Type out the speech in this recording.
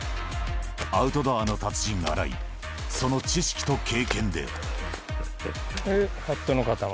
アウトドアの達人、荒井、その知識と経験で。